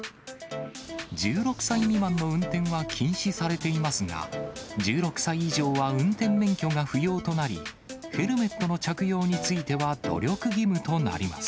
１６歳未満の運転は禁止されていますが、１６歳以上は運転免許が不要となり、ヘルメットの着用については努力義務となります。